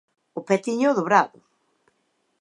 O pé tíñao dobrado.